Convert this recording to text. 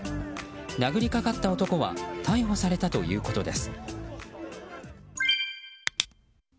殴りかかった男は逮捕されたということです。